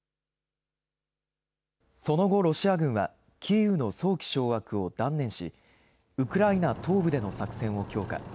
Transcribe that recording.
その後、ロシア軍はキーウの早期掌握を断念し、ウクライナ東部での作戦を強化。